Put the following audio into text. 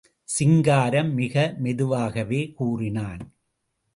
சிங்காரம்... மிக மெதுவாகவே கூறினான்.